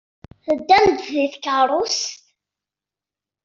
Teddam-d deg tkeṛṛust?